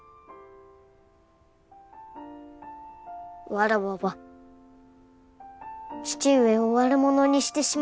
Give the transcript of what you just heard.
わらわは父上を悪者にしてしまったぞよ。